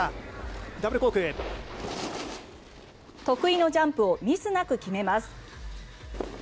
得意のジャンプをミスなく決めます。